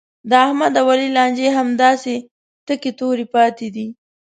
د احمد او علي لانجې همداسې تکې تورې پاتې دي.